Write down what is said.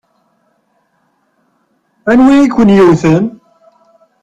Anwi i ken-yewwten?